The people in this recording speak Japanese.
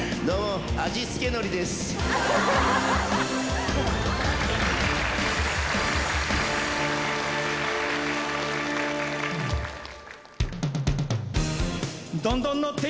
どんどんノ